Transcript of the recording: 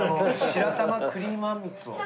白玉クリームあんみつ。